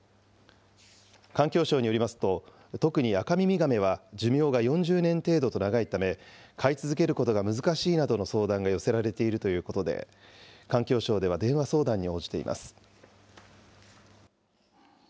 環境省によりますと特にアカミミガメは寿命が４０年程度と長いため飼い続けることが難しいなどの相談が寄せられているということで環境省では電話相談に応じています。